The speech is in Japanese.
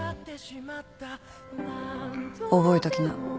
覚えときな